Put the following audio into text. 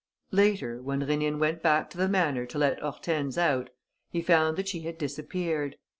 Later, when Rénine went back to the manor to let Hortense out, he found that she had disappeared.